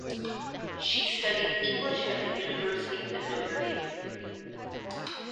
She studied English at the University of Notre Dame.